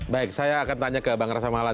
baik saya akan tanya ke bang rasa mala